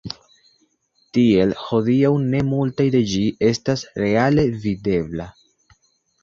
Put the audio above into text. Tiel hodiaŭ ne multe de ĝi estas reale videbla.